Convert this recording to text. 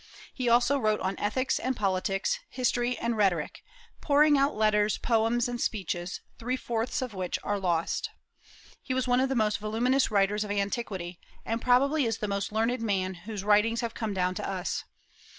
He also wrote on ethics and politics, history and rhetoric, pouring out letters, poems, and speeches, three fourths of which are lost. He was one of the most voluminous writers of antiquity, and probably is the most learned man whose writings have come down to us.